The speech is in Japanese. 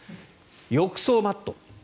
浴槽マット。